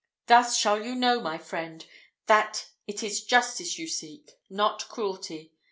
Thus shall you show, my friend, that it is justice you seek, not cruelty.